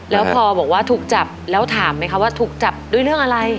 แล้วพอบอกว่าถูกจับแล้วถามไหมคะว่าถูกจับด้วยเรื่องอะไร